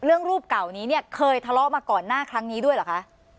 รูปเก่านี้เนี่ยเคยทะเลาะมาก่อนหน้าครั้งนี้ด้วยเหรอคะ